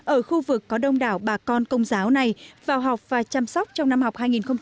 ở khu vực có đông đảo bà con công giáo này vào học và chăm sóc trong năm học hai nghìn một mươi bảy hai nghìn một mươi tám